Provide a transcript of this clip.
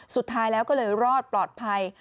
สุดท้ายแล้วก็เลยรอดปลอดภัย